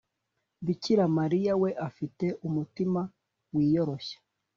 bikira mariya we afite umutima wiyoroshya,